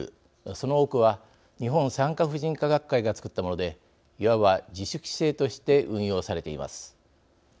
その多くは日本産科婦人科学会がつくったものでいわば自主規制として運用されています。